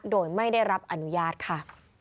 โดยไม่ได้รับอนุญาตค่ะ